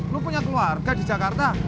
lo punya keluarga di jakarta